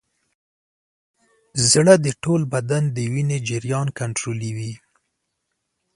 زړه د ټول بدن د وینې جریان کنټرولوي.